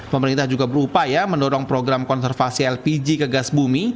pemerintah juga berupaya mendorong program konservasi lpg ke gas bumi